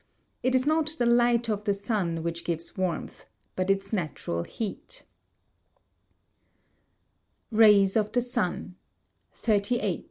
It is not the light of the sun which gives warmth, but its natural heat. [Sidenote: Rays of the Sun] 38.